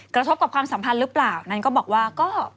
กระทบกับความสัมพันธ์หรือเปล่านั้นก็บอกว่าก็